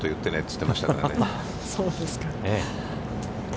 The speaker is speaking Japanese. そうですか。